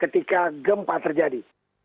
ketika gempa terjadi